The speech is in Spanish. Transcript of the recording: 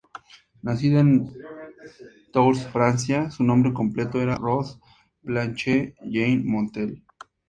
Nacida en Tours, Francia, su nombre completo era Rose Blanche Jeanne Montel.